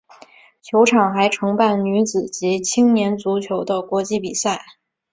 球场还承办女子及青年足球的国际比赛。